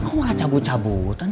kalo kalian berdua pacaran